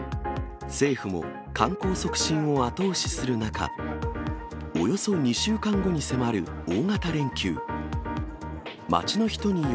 政府も観光促進を後押しする中、およそ２週間後に迫る大型連休。